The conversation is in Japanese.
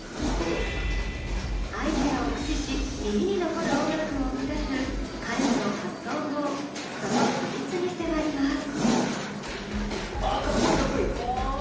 アイデアを駆使し耳に残る音楽を生み出す彼らの発想法その秘密に迫ります。